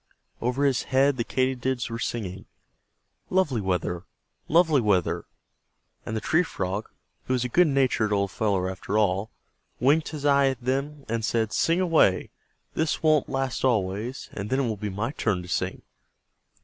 Over his head the Katydids were singing, "Lovely weather! Lovely weather!" and the Tree Frog, who was a good natured old fellow after all, winked his eye at them and said: "Sing away. This won't last always, and then it will be my turn to sing."